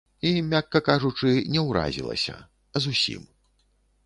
І, мякка кажучы, не ўразілася, зусім.